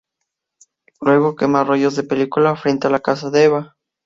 Luego quema rollos de película frente a la casa de Eva.